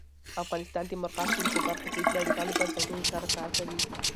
افغانستان د مورغاب سیند په برخه کې نړیوالو بنسټونو سره کار کوي.